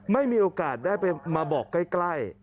ไม่มีโอกาสได้ไปมาบอกใกล้